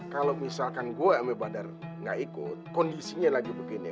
kalo misalkan gue sama badar gak ikut kondisinya lagi begini